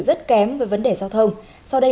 rất kém với vấn đề giao thông sau đây